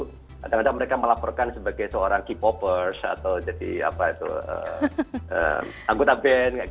kadang kadang mereka melaporkan sebagai seorang k popers atau jadi anggota band